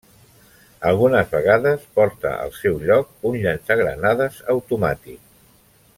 Algunes vegades porta al seu lloc un llançagranades automàtic.